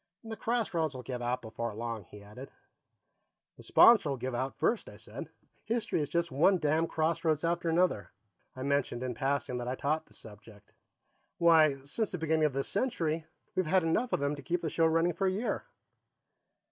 "The crossroads will give out before long," he added. "The sponsor'll give out first," I said. "History is just one damn crossroads after another." I mentioned, in passing, that I taught the subject. "Why, since the beginning of this century, we've had enough of them to keep the show running for a year."